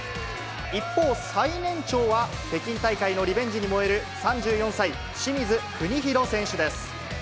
一方、最年長は北京大会のリベンジに燃える３４歳、清水邦広選手です。